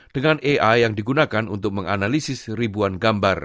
dengan ai yang digunakan untuk menganalisis ribuan gambar